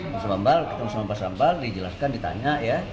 mas bambal ketemu sama pak sambal dijelaskan ditanya ya